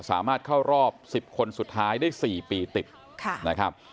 สามารถเข้ารอบ๑๐คนสุดท้ายได้๔ปีติดนะครับ